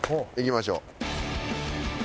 行きましょう。